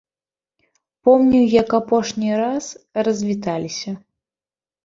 Помню, як апошні раз развіталіся.